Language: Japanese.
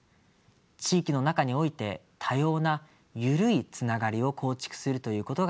地域の中において多様な緩いつながりを構築するということが重要です。